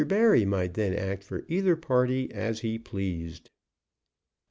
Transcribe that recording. Barry might then act for either party as he pleased.